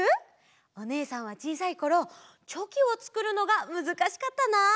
おねえさんはちいさいころチョキをつくるのがむずかしかったな。